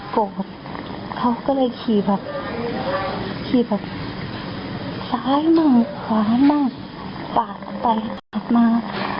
โกรธเขาก็เลยขี่แบบขี่แบบซ้ายมาขวานมาฝากไปมา